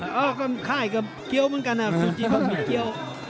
เออค่ายกับเกี้ยวเหมือนกันนะซูจิบะหมี่เกี้ยว